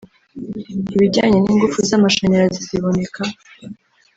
ibijyanye n’ingufu z’amashanyarazi ziboneka